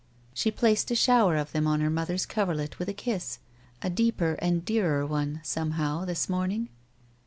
She placed a shower of them on her mother's coverlet with a kiss, a deeper and dearer one, somehow, this morning.